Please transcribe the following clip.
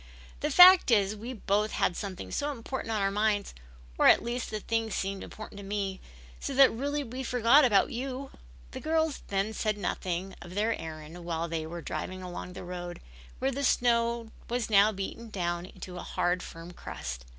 The fact is we both had something so important on our minds, or at least the thing seems important to me, so that really we forgot about you." The girls then said nothing of their errand while they were driving along the road, where the snow was now beaten down into a hard, firm crust.